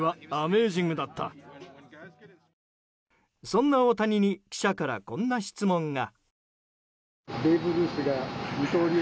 そんな大谷に記者から、こんな質問が。